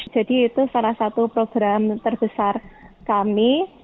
jadi itu salah satu program terbesar kami